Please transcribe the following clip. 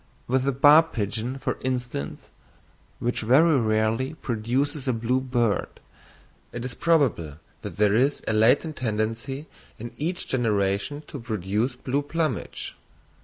With the barb pigeon, for instance, which very rarely produces a blue bird, it is probable that there is a latent tendency in each generation to produce blue plumage.